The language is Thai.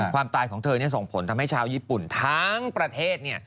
ความตายของเธอนี้ส่งผลทำให้เยี่ยมไว้ให้ชาวญี่ปุ่นทั้งประเทศ